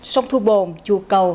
sông thu bồn chùa cầu